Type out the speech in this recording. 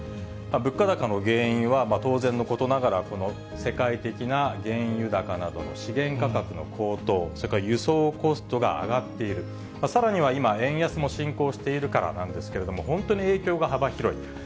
物価高の原因は、当然のことながら、この世界的な原油高などの資源価格の高騰、それから輸送コストが上がっている、さらには今、円安も進行しているからなんですけれども、本当に影響が幅広い。